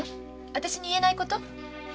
わたしに言えないこと？